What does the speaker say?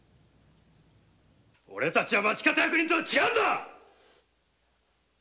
オレたちは町方役人とは違うんだ！